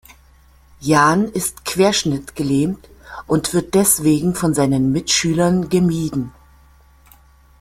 Jan ist querschnittgelähmt und wird deswegen von seinen Mitschülern gemieden.